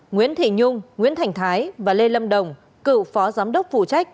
nguyễn thị nhung nguyễn thành thái và lê lâm đồng cựu phó giám đốc phụ trách